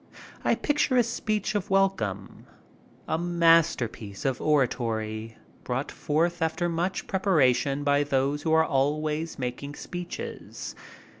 I picture his speech of welcome. A masterpiece of oratory brought forth after much prepara tion by those who are always making speeches.